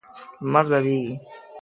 لمر ځلیږی